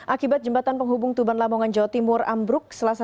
akibat jembatan penghubung tuban lamongan jawa timur ambruk